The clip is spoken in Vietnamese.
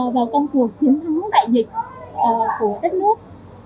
vào công cuộc chiến thắng đại dịch của đất nước